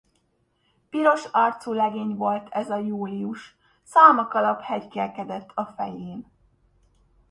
Piros arcú legény volt ez a Július, szalmakalap hetykélkedett a fején.